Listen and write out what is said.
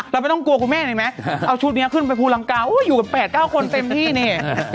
เราไม่ต้องกลัวคุณแม่นี่ไหมเอาชุดนี้ขึ้นไปภูลังกาอยู่กัน๘๙คนเต็มที่นี่